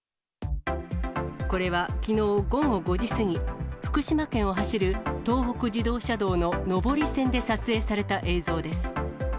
これは、きのう午後５時過ぎ、福島県を走る東北自動車道の上り線で撮影された映像です。